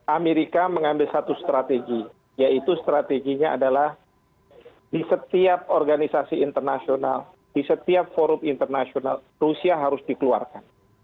amerika mengambil satu strategi yaitu strateginya adalah di setiap organisasi internasional di setiap forum internasional rusia harus dikeluarkan